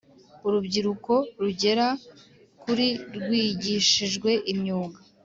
Urubyiruko rugera kuri rwigishijwe imyuga